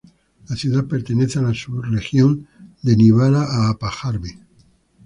La ciudad pertenece a la subregión de Nivala–Haapajärvi.